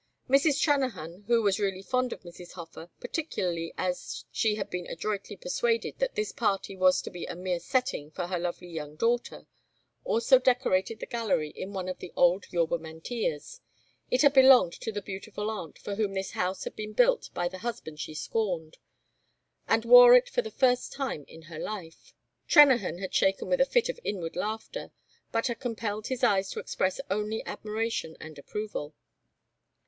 Mrs. Trennahan, who was really fond of Mrs. Hofer, particularly as she had been adroitly persuaded that this party was to be a mere setting for her lovely young daughter, also decorated the gallery in one of the old Yorba mantillas it had belonged to the beautiful aunt for whom this house had been built by the husband she scorned and wore it for the first time in her life. Trennahan had shaken with a fit of inward laughter, but had compelled his eyes to express only admiration and approval.